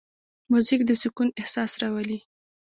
موزیک د سکون احساس راولي.